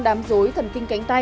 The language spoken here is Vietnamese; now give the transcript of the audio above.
đám dối thần kinh cánh tay